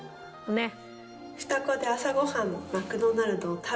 ねっ。